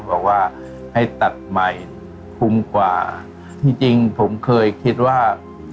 บอกว่าให้ตัดใหม่คุ้มกว่าจริงจริงผมเคยคิดว่า